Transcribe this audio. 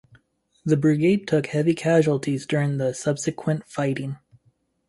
The brigade took heavy casualties during the subsequent fighting.